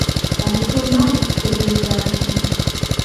Obutumbavu kitegeeza ki?